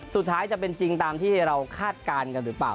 จะเป็นจริงตามที่เราคาดการณ์กันหรือเปล่า